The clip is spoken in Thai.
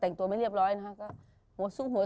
เต็มตัวไม่เรียบร้อยแล้วนะครับ